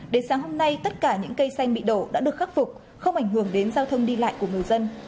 đến sáng hôm nay tất cả những cây xanh bị đổ đã được khắc phục không ảnh hưởng đến giao thông đi lại của người dân